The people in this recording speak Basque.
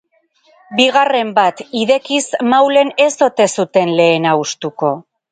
Bigarren bat idekiz Maulen ez ote zuten lehena hustuko?